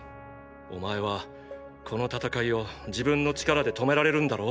お前はこの戦いを自分の力で止められるんだろう？